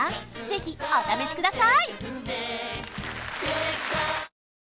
ぜひお試しください